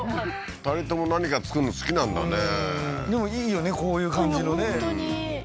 ２人とも何か作るの好きなんだねでもいいよねこういう感じのね